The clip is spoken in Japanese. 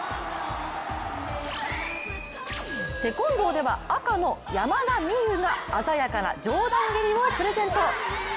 テコンドーでは「赤」の山田美諭が鮮やかな上段蹴りをプレゼント。